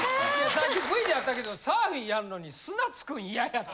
さっきＶであったけどサーフィンやるのに砂つくん嫌やって。